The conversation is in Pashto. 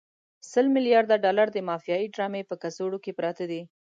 سل ملیارده ډالر د مافیایي ډرامې په کڅوړو کې پراته دي.